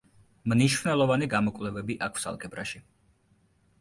მნიშვნელოვანი გამოკვლევები აქვს ალგებრაში.